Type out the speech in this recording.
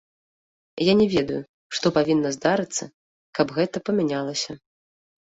Я не ведаю, што павінна здарыцца, каб гэта памянялася.